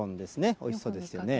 おいしそうですよね。